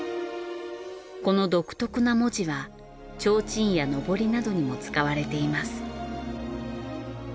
この独特な文字はちょうちんやのぼりなどにも使われています。